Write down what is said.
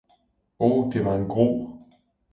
Oh, det var en gru!